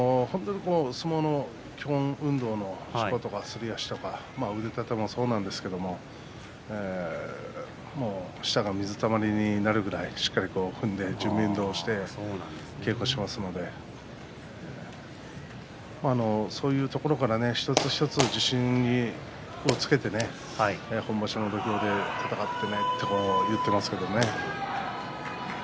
基本運動のしこやすり足腕立てもそうなんですけど下が水たまりになるぐらいしっかり踏んで準備運動をして稽古をしますのでそういうところから一つ一つ自信をつけて本場所の土俵で戦ってほしいと言ってますけどね。